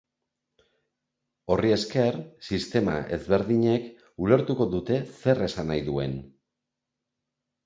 Horri esker, sistema ezberdinek ulertuko dute zer esan nahi duen.